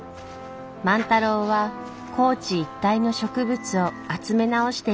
万太郎は高知一帯の植物を集め直していきました。